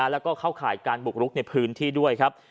แล้วก็เข้าข่ายการบุกรุกในพื้นที่ด้วยครับ